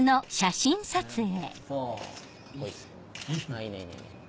あいいねいいね。